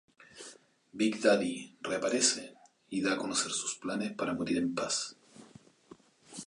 Big Daddy reaparece y da a conocer sus planes para morir en paz.